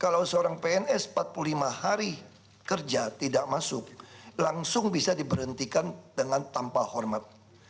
kalau seorang pns empat puluh lima hari kerja tidak masuk langsung bisa diberhentikan dengan tanpa hormat